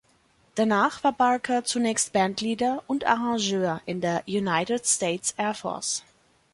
Danach war Barker zunächst Bandleader und Arrangeur in der "United States Air Force".